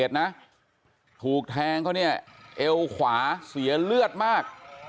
ถูกแทงเขาเนี่ยเอวขวาเสียเลือดมาก